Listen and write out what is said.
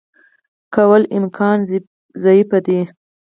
کولو امکان ضعیف دی.